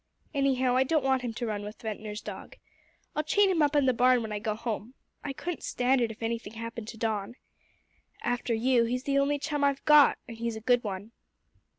Anyhow, I don't want him to run with Ventnor's dog. I'll chain him up in the barn when I go home. I couldn't stand it if anything happened to Don. After you, he's the only chum I've got and he's a good one."